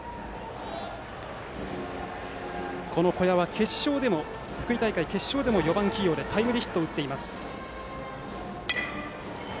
小矢は福井大会決勝でも４番起用でタイムリーヒットを打っています。